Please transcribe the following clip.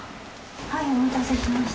はいお待たせしました。